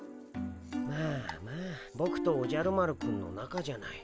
まあまあボクとおじゃる丸くんのなかじゃない。